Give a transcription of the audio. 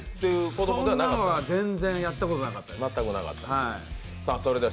そんなのは全然やったことなかったです。